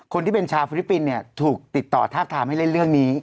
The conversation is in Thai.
คนที่เป็นชาวฟิลิปปินส์เนี่ยถูกติดต่อทาบทามให้เล่นเรื่องนี้